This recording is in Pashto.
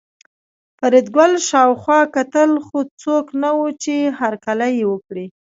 فریدګل شاوخوا کتل خو څوک نه وو چې هرکلی یې وکړي